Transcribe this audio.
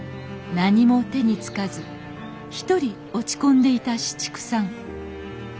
何も手に付かずひとり落ち込んでいた紫竹さん。